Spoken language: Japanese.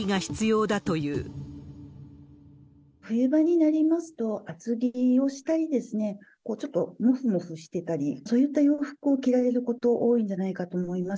冬場になりますと、厚着をしたりですね、ちょっともふもふしてたり、そういった洋服を着られること、多いんじゃないかと思います。